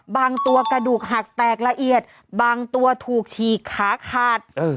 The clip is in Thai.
บางตัวกระดูกหักแตกละเอียดบางตัวถูกฉีกขาขาด